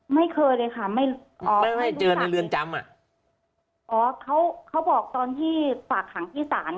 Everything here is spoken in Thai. ไม่เคยเลยค่ะไม่อ๋อไม่ให้เจอในเรือนจำอ่ะอ๋อเขาเขาบอกตอนที่ฝากขังที่ศาล